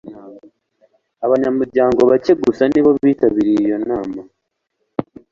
Abanyamuryango bake gusa ni bo bitabiriye iyo nama.